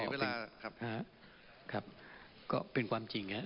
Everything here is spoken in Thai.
เสร็จเลยครับก็เป็นความจริง